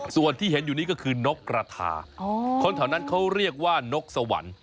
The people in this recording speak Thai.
ส่วนที่เห็นอยู่นี้ก็คือนกกระทาคนแถวนั้นเขาเรียกว่านกสวรรค์